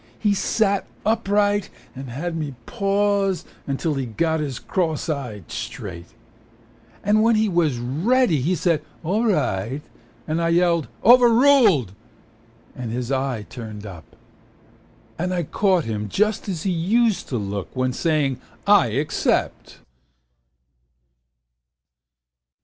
He sat upright and had me pause Till he got his cross eye straight. Then when he was ready he said "all right." And I yelled "overruled" and his eye turned up. And I caught him just as he used to look When saying "I except."